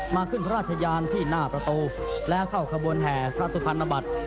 ขึ้นพระราชยานที่หน้าประตูแล้วเข้าขบวนแห่พระสุพรรณบัตร